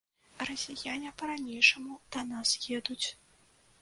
Расіяне па-ранейшаму да нас едуць.